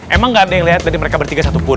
emang gak ada yang lihat dari mereka bertiga satupun